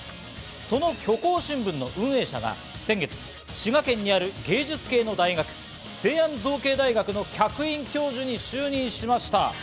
その虚構新聞の運営者が先月、滋賀県にある芸術系の大学、成安造形大学の客員教授に就任しました。